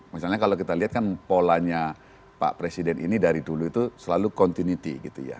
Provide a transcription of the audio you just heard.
misalnya kalau kita lihat kan polanya pak presiden ini dari dulu itu selalu continuity gitu ya